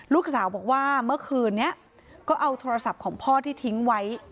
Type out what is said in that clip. ลูกสาวบอกว่าเมื่อคืนนี้ก็เอาโทรศัพท์ของพ่อที่ทิ้งไว้